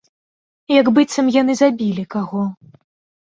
Як быццам яны забілі каго.